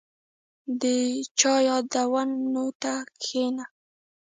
• د چا یادونو ته کښېنه.